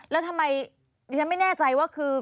แล้วทำไมดิฉันไม่แน่ใจว่าคือ